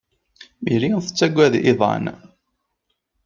Merry tettaggad iḍan.